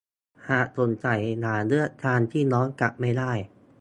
หากสงสัยอย่าเลือกทางที่ย้อนกลับไม่ได้